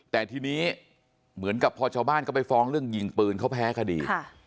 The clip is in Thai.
แต่ทีนี้เหมือนกับพอชาวบ้านเขาไปฟ้องเรื่องยิงปืนเขาแพ้คดี